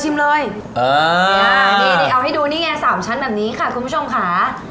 เดี๋ยวเดี๋ยวเอาให้ดูนี่ไง๓ชั้นแบบนี้ค่ะคุณผู้ชมค่ะ